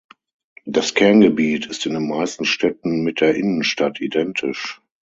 Das Kerngebiet ist in den meisten Städten mit der Innenstadt identisch.